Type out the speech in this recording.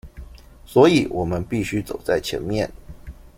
所以我們必須走在前面